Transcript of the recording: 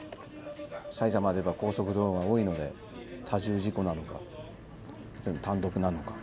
埼玉であれば高速道路が多いので多重事故なのかそれとも単独なのか。